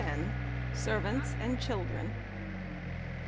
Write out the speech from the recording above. SERVANTS AND CHILDREN.